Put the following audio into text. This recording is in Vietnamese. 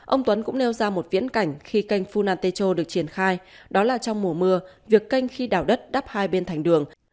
ông tuấn cũng nêu ra một viễn cảnh khi canh funatecho được triển khai đó là trong mùa mưa việc canh khi đảo đất đắp hai bên thành đường